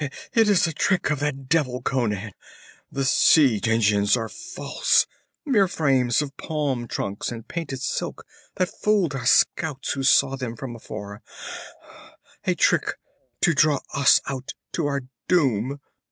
It is a trick of that devil Conan! The siege engines are false mere frames of palm trunks and painted silk, that fooled our scouts who saw them from afar. A trick to draw us out to our doom!